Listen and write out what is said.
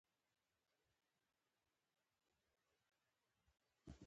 زموږ په بریا به پای ته ورسېږي